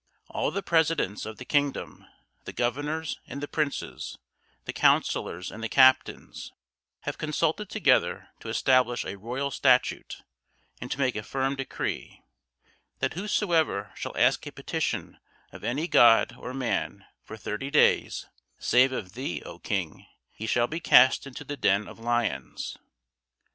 All the presidents of the kingdom, the governors, and the princes, the counsellors, and the captains, have consulted together to establish a royal statute, and to make a firm decree, that whosoever shall ask a petition of any god or man for thirty days, save of thee, O King, he shall be cast into the den of lions.